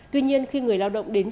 tuy nhiên khi người lao động đến